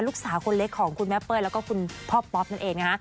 ลูกสาวคนเล็กของคุณแม่เป้ยแล้วก็คุณพ่อป๊อปนั่นเองนะคะ